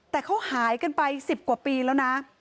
แต่เขาหายกันไป๑๐กว่าปีแล้วนะ